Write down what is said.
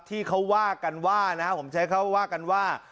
ที่เขาว่ากันว่านะครับผมใช้คำว่ากันว่า